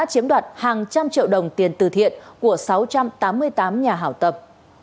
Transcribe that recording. hoạt hàng trăm triệu đồng tiền tử thiện của sáu trăm tám mươi tám nhà hảo tâm